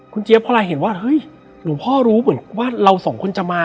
เจี๊ยบพอลายเห็นว่าเฮ้ยหลวงพ่อรู้เหมือนว่าเราสองคนจะมา